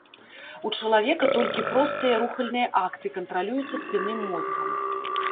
У чалавека толькі простыя рухальныя акты кантралююцца спінным мозгам.